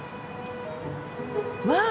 わあ！